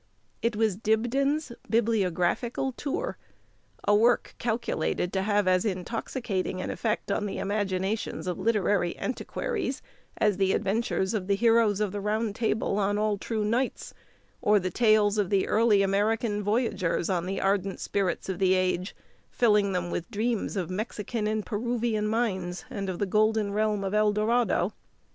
It was Dibdin's Bibliographical Tour; a work calculated to have as intoxicating an effect on the imaginations of literary antiquaries, as the adventures of the heroes of the Round Table on all true knights; or the tales of the early American voyagers on the ardent spirits of the age, filling them with dreams of Mexican and Peruvian mines, and of the golden realm of El Dorado.